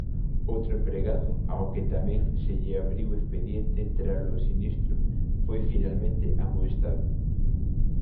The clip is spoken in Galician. Outro empregado, ao que tamén se lle abriu expediente tralo sinistro, foi finalmente amoestado.